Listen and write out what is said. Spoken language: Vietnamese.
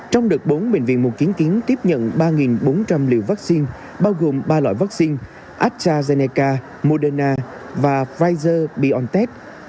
trong đợt bốn bệnh viện một chứng kiến tiếp nhận ba bốn trăm linh liều vaccine bao gồm ba loại vaccine astrazeneca moderna và pfizer biontech